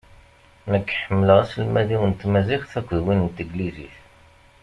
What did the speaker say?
Nekk ḥemmleɣ aselmad-iw n tmaziɣt akked win n teglizit.